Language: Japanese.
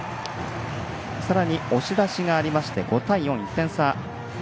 さらに押し出しがありまして５対４、１点差。